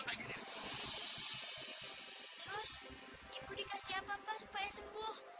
dikasih apa pas